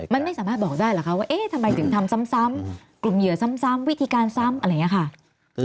มันไม่สามารถบอกได้เหรอคะว่าเอ๊ะทำไมถึงทำซ้ำกลุ่มเหยื่อซ้ำวิธีการซ้ำอะไรอย่างนี้ค่ะ